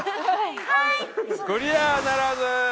クリアならず！